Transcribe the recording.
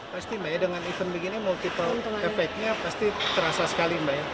pasti mbak ya dengan event begini multiple efeknya pasti terasa sekali mbak ya